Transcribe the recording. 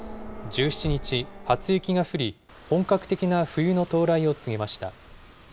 １７日、初雪が降り、本格的な冬の到来を告げました。